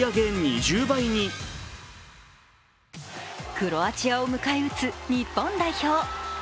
クロアチアを迎え撃つ日本代表。